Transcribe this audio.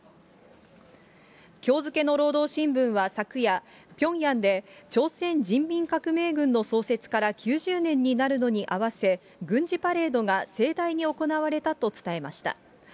きょう付けの労働新聞は昨夜、ピョンヤンで朝鮮人民革命軍の創設から９０年になるのに合わせ、軍事パレードが盛大に行われたと伝えました。